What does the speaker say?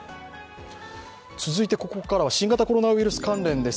続いて、ここからは新型コロナウイルス関連です。